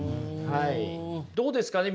どうですかね？